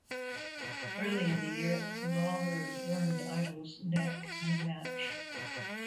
Early in the year, Lawler burned Idol's neck in a match.